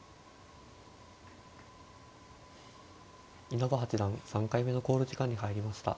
稲葉八段３回目の考慮時間に入りました。